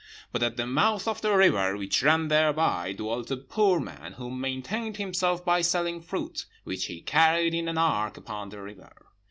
But at the mouth of the river, which ran thereby, dwelt a poor man, who maintained himself by selling fruit, which he carried in an ark upon the river.